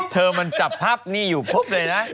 เธอมันจับครับเงียบพุกเลยนะ